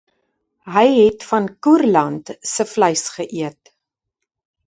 Hy het van Koerland se vleis geëet